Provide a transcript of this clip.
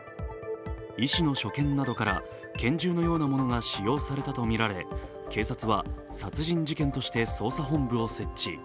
医師の所見などから拳銃のようなものが使用されたとみられ警察は殺人事件として捜査本部を設置。